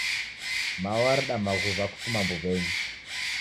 Mao wareda maghuw'a kufuma mbuwenyi